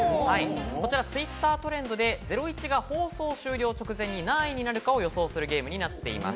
Ｔｗｉｔｔｅｒトレンドで『ゼロイチ』が放送終了直前に何位になるかを予想するゲームになっています。